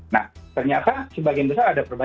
nah ternyata sebagian besar ada perbaikan